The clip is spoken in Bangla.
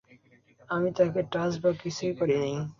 আমি তাকে টাচ বা কিছুই করি নাই।